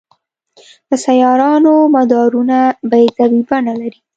د سیارونو مدارونه بیضوي بڼه لري.